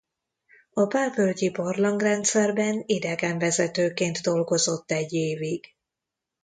A Pál-völgyi-barlangrendszerben idegenvezetőként dolgozott egy évig.